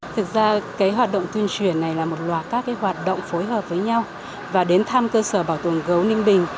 thực ra cái hoạt động tuyên truyền này là một loạt các hoạt động phối hợp với nhau và đến thăm cơ sở bảo tồn gấu ninh bình